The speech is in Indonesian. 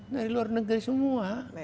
dari luar negara semua